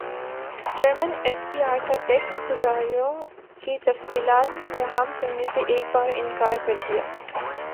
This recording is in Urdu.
چیئرمین ایف بے ار کا ٹیکس گزاروں کی تفصیلات فراہم کرنے سے ایک بارانکار کردیا